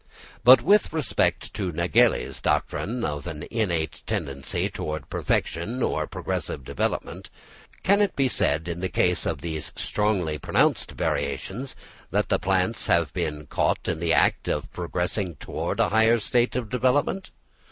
But with respect to Nägeli's doctrine of an innate tendency towards perfection or progressive development, can it be said in the case of these strongly pronounced variations, that the plants have been caught in the act of progressing towards a higher state of development?